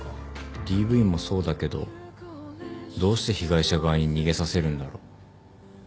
ＤＶもそうだけどどうして被害者側に逃げさせるんだろう。